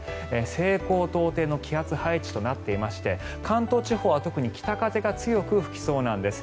西高東低の気圧配置となっていまして関東地方は特に北風が強く吹きそうなんです。